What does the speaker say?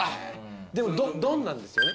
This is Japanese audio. でも丼なんですよね？